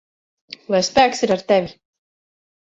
Lai spēks ir ar tevi!